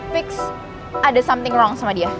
fix ada something wrong sama dia